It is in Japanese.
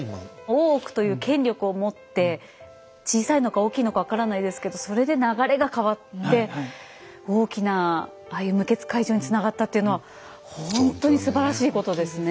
大奥という権力をもって小さいのか大きいのか分からないですけどそれで流れが変わって大きなああいう無血開城につながったっていうのはほんとにすばらしいことですね。